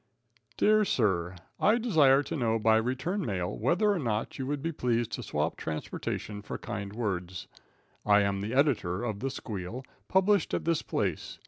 Dear Sir. I desire to know by return mail whether or no you would be pleased to swap transportation for kind words. I am the editor of "The Squeal," published at this place.